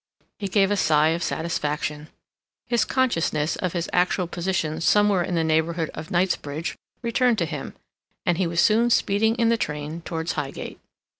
He gave a sigh of satisfaction; his consciousness of his actual position somewhere in the neighborhood of Knightsbridge returned to him, and he was soon speeding in the train towards Highgate.